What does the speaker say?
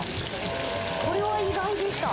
これは意外でした。